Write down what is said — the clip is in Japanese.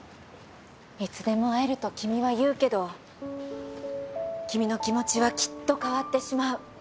いつでも会えると君は言うけど君の気持ちはきっと変わってしまう。